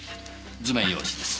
図面用紙です。